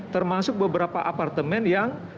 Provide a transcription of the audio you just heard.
termasuk beberapa apartemen yang